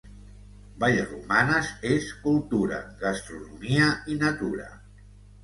Vallromanes és cultura, gastronomia i natura.